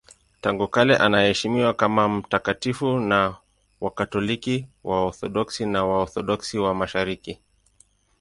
Tangu kale anaheshimiwa kama mtakatifu na Wakatoliki, Waorthodoksi na Waorthodoksi wa Mashariki.